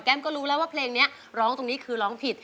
ก็รู้แล้วว่าเพลงนี้ร้องตรงนี้คือร้องผิด